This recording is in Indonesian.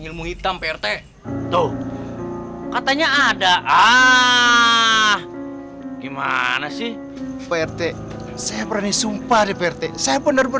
ilmu hitam prt tuh katanya ada ah gimana sih prt saya berani sumpah di prt saya benar benar